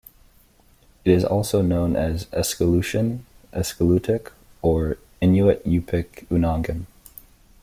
It is also known as "Eskaleutian", "Eskaleutic", or "Inuit-Yupik-Unangan".